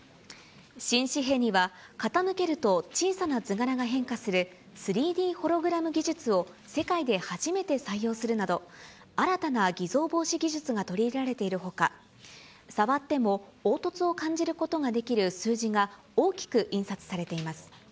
新紙幣には、傾けると小さな図柄が変化する３Ｄホログラム技術を世界で初めて採用するなど、新たな偽造防止技術が取り入れられているほか、触っても凹凸を感じることができる数字が大きく印刷されています。